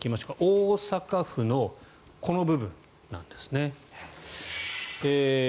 大阪府のこの部分なんですね。